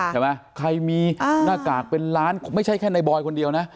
ใช่ไหมใครมีหน้ากากเป็นล้านไม่ใช่แค่ในบอยคนเดียวนะ